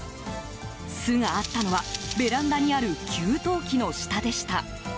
巣があったのは、ベランダにある給湯器の下でした。